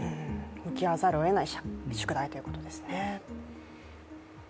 向き合わざるをえない宿題ということですね。